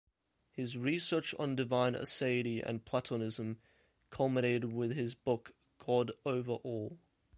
His research on divine aseity and Platonism culminated with his book "God Over All".